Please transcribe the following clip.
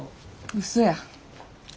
うそや。